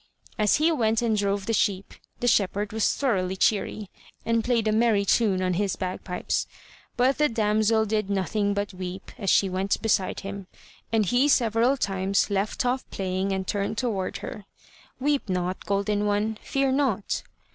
As he went and drove the sheep, the shepherd was thoroughly cheery, and played a merry tune on his bagpipes; but the damsel did nothing but weep as she went beside him, and he several times left off playing and turned toward her: "Weep not, golden one; fear nought."